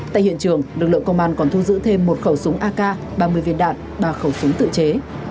tại hiện trường lực lượng công an còn thu giữ thêm một khẩu súng ak ba mươi viên đạn ba khẩu súng tự chế